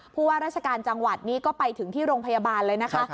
ผู้ว่าราชการจังหวัดนี้ก็ไปถึงที่โรงพยาบาลเลยนะคะ